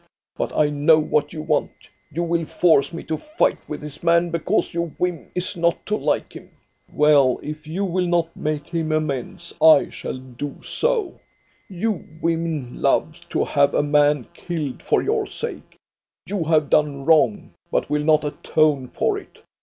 But I know what you want. You will force me to fight with this man, because your whim is not to like him. Well, if you will not make him amends, I shall THE YOUNG COUNTESS 195 do so. You women love to have a man killed for your sake. You have done wrong, but will not atone for it.